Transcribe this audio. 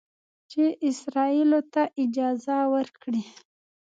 چې اسرائیلو ته اجازه ورکړي